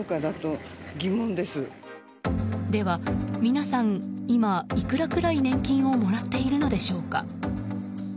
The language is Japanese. では皆さん、今いくらくらい年金をもらっているのでしょうか。